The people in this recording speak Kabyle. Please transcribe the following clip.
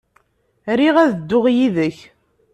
Riɣ ad dduɣ yid-k.